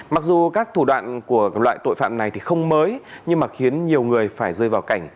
mặc dù các thủ đoạn của loại tội phạm này thì không mới nhưng mà khiến nhiều người phải rơi vào cảnh